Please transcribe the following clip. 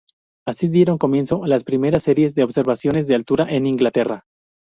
Así dieron comienzo las primeras series de observaciones de altura en Inglaterra.